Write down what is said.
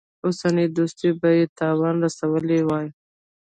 اوسنۍ دوستۍ ته به یې تاوان رسولی وای.